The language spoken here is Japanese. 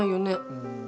うん。